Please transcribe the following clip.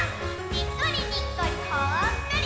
にっこりにっこりほっこり！